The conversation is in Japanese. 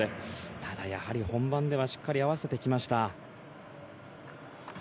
ただ、やはり本番ではしっかり合わせてきました。